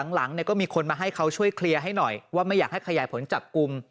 หลังเนี่ยก็มีคนมาให้เขาช่วยเคลียร์ให้หน่อยว่าไม่อยากให้ขยายผลจับกลุ่ม